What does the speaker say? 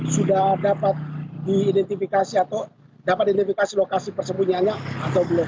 sudah dapat diidentifikasi atau dapat diidentifikasi lokasi persembunyiannya atau belum